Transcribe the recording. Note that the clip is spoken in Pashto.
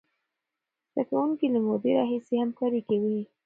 زده کوونکي له مودې راهیسې همکاري کوي.